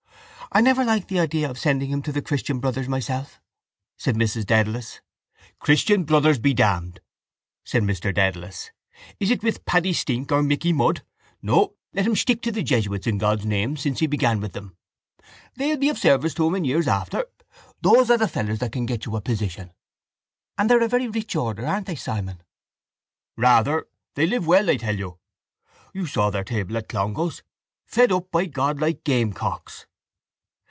—I never liked the idea of sending him to the christian brothers myself, said Mrs Dedalus. —Christian brothers be damned! said Mr Dedalus. Is it with Paddy Stink and Micky Mud? No, let him stick to the jesuits in God's name since he began with them. They'll be of service to him in after years. Those are the fellows that can get you a position. —And they're a very rich order, aren't they, Simon? —Rather. They live well, I tell you. You saw their table at Clongowes. Fed up, by God, like gamecocks.